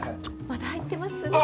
まだ入ってますね。